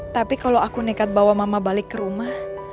tapi kalau aku nekat bawa mama balik ke rumah